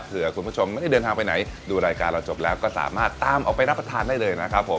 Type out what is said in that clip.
เพื่อคุณผู้ชมไม่ได้เดินทางไปไหนดูรายการเราจบแล้วก็สามารถตามออกไปรับประทานได้เลยนะครับผม